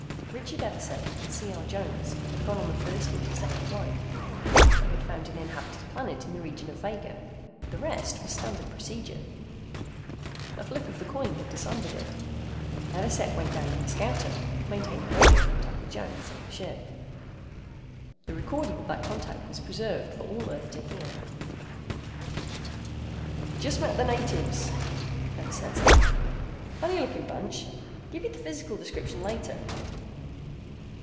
Richard Everset and C. R. Jones had gone on the first interstellar flight. They had found an inhabited planet in the region of Vega. The rest was standard procedure. A flip of the coin had decided it. Everset went down in the scouter, maintaining radio contact with Jones, in the ship. The recording of that contact was preserved for all Earth to hear. "Just met the natives," Everset said. "Funny looking bunch. Give you the physical description later."